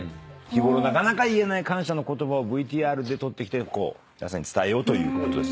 日ごろなかなか言えない感謝の言葉をＶＴＲで撮ってきて皆さんに伝えようということです。